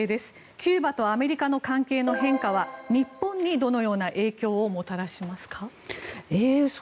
キューバとアメリカの関係の変化は日本にどのような影響をもたらしますか？